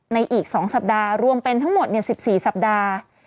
อีก๒สัปดาห์รวมเป็นทั้งหมด๑๔สัปดาห์